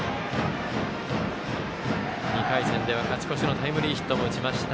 ２回戦では勝ち越しのタイムリーヒットも打ちました。